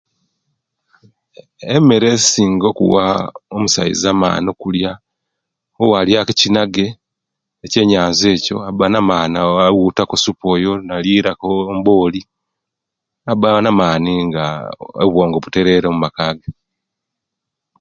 Emera singa kuwa musaiza mani kulwa owalyaku ekinage ekyenyanza ekyo abanamani awuutaku suupu oyo nalilaku embooli aba namani nga obwongo buterara mumakage.